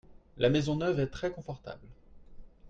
La maison neuve est très confortable.